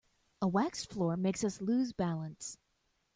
A waxed floor makes us lose balance.